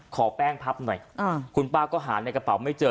ขอแป้งพับหน่อยคุณป้าก็หาในกระเป๋าไม่เจอ